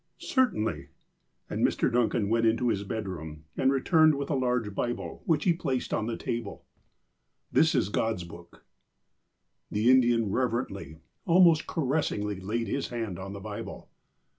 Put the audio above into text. "*' Certainly. '' And Mr. Duncan went into his bedroom, and returned with a large Bible, which he placed on the table. BEHIND THE WALLS 121 " This is God's Book." The Indian reverently, almost caressingly, laid his hand on the Bible.